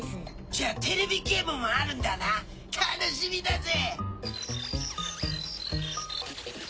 じゃあテレビゲームもあるんだな楽しみだぜ！